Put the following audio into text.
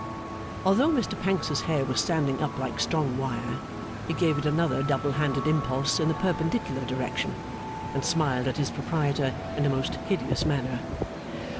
Although Mr Pancks's hair was standing up like strong wire, he gave it another double handed impulse in the perpendicular direction, and smiled at his proprietor in a most hideous manner.